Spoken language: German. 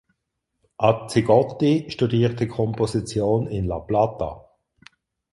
Azzigotti studierte Komposition in La Plata.